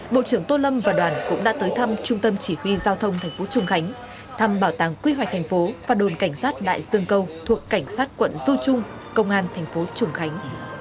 bộ trưởng tô lâm và đoàn cũng đã tới thăm trung tâm chỉ huy giao thông thành phố trùng khánh thăm bảo tàng quy hoạch thành phố và đồn cảnh sát đại dương câu thuộc cảnh sát quận du trung công an thành phố trùng khánh